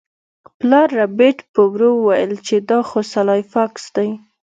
پلار ربیټ په ورو وویل چې دا خو سلای فاکس دی